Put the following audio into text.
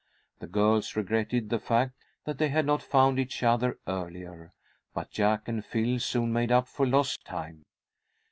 The girls regretted the fact that they had not found each other earlier, but Jack and Phil soon made up for lost time.